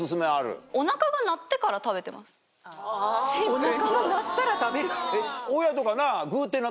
お腹が鳴ったら食べる。